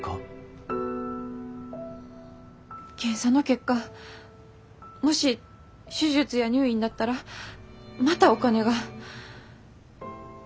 検査の結果もし手術や入院だったらまたお金が。